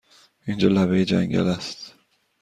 اینجا لبه جنگل است!